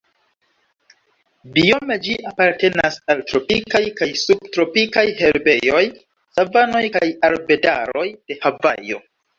Biome ĝi apartenas al tropikaj kaj subtropikaj herbejoj, savanoj kaj arbedaroj de Havajo.